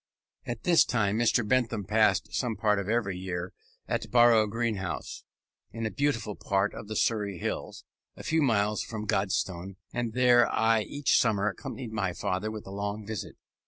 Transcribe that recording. At this time Mr. Bentham passed some part of every year at Barrow Green House, in a beautiful part of the Surrey Hills, a few miles from Godstone, and there I each summer accompanied my father in a long visit.